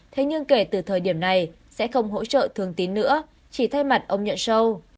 thế nhưng kể từ thời điểm này sẽ không hỗ trợ thường tín nữa chỉ thay mặt ông nhuận show